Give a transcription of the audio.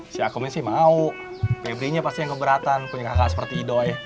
si akum ini sih mau febrinya pasti yang keberatan punya kakak seperti idoi